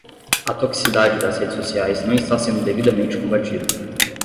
A toxicidade das redes sociais não está sendo devidamente combatida